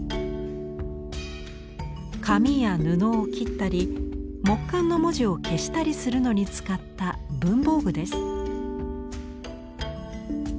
紙や布を切ったり木簡の文字を消したりするのに使った文房具です。